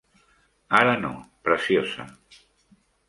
Ara no, preciosa.